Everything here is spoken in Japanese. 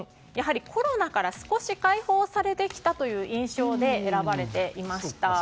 コロナから少し開放されてきた印象で選ばれていました。